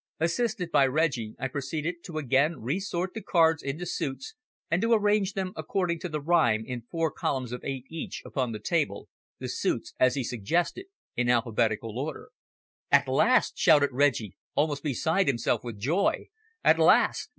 Assisted by Reggie, I proceeded to again resort the cards into suites, and to arrange them according to the rhyme in four columns of eight each upon the table, the suites as he suggested, in alphabetical order. "At last!" shouted Reggie, almost beside himself with joy. "At last!